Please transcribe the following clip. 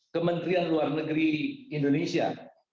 kementerian luar negeri indonesia